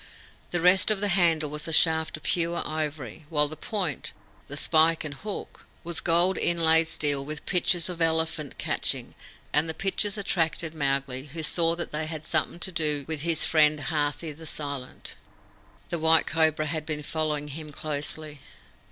The rest of the handle was a shaft of pure ivory, while the point the spike and hook was gold inlaid steel with pictures of elephant catching; and the pictures attracted Mowgli, who saw that they had something to do with his friend Hathi the Silent. The White Cobra had been following him closely.